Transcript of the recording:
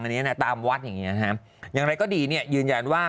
อันนี้นะตามวัดอย่างเงี้ฮะอย่างไรก็ดีเนี่ยยืนยันว่า